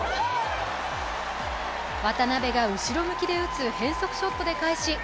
渡辺が後ろ向きで打つ変則ショットで返し